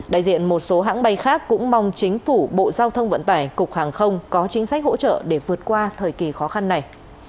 đại diện một số hãng bay khác cũng mong chính phủ bộ giao thông vận tải cục hàng không có chính sách hỗ trợ để vượt qua thời kỳ khó khăn này